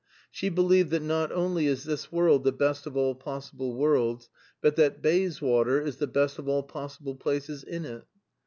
She believed that not only is this world the best of all possible worlds, but that Bayswater is the best of all possible places in it.